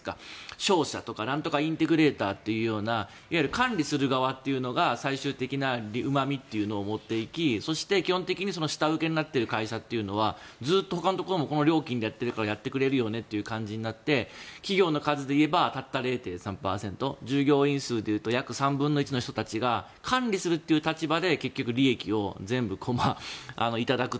商社とかなんとかインテグレーターというようないわゆる管理する側というのが最終的なうまみを持っていきそして基本的に下請けになっている会社というのはずっとほかのところもこの料金でやっているからやってくれるよねという感じになって、企業の数でいえばたった０．３％従業員数でいうと約３分の１の人が管理するという立場で結局利益を全部頂くと。